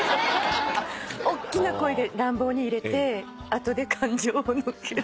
おっきな声で乱暴に入れてあとで感情をのっけて。